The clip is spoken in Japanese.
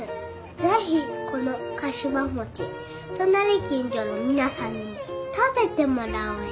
是非このかしわ餅隣近所の皆さんにも食べてもらおおえ。